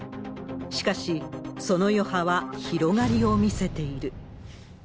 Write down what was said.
しかし、その余波は広がりを見せている。